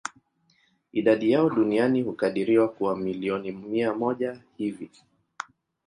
Idadi yao duniani hukadiriwa kuwa milioni mia moja hivi.